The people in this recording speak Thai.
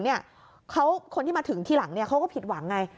คนที่มาถึงทีหลังเขาก็ผิดหวังไง